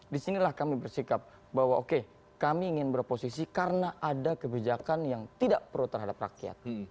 disinilah kami bersikap bahwa oke kami ingin beroposisi karena ada kebijakan yang tidak pro terhadap rakyat